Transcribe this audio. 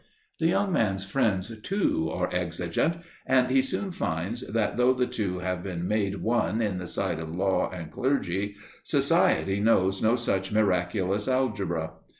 The young man's friends, too, are exigent, and he soon finds that, though the two have been made one in the sight of law and clergy, society knows no such miraculous algebra.